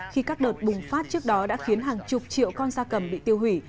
khi các đợt bùng phát trước đó đã khiến hàng chục triệu con da cầm bị tiêu hủy